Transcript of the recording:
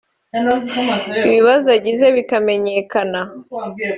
ibibazo agize bikamenyekana